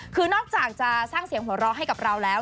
คือนอกจากจะสร้างเสียงหัวเราะให้กับเราแล้ว